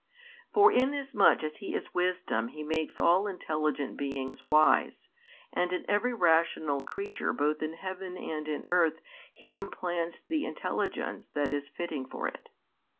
For inasmuch as He is wisdom He makes all intelligent beings wise, and in every rational creature both in heaven and in earth He implants the intelligence that is fitting for it.